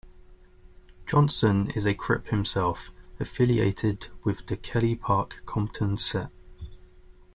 Johnson is a Crip himself, affiliated with the Kelly Park Compton set.